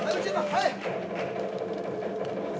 はい」